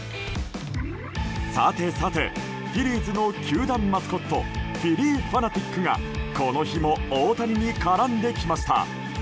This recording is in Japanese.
さてさて、フィリーズの球団マスコットフィリー・ファナティックがこの日も大谷に絡んできました。